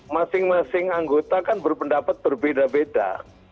masing masing anggota kan berpendapat berbeda beda